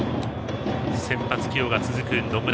先発起用が続く野村。